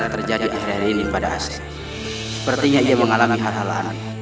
terima kasih sek dulu